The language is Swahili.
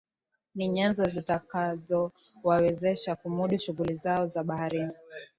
Ni nyenzo zitakazowawezesha kumudu shughuli zao za baharini